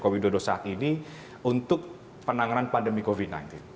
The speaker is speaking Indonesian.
bagaimana pak bidodo saat ini untuk penanganan pandemi covid sembilan belas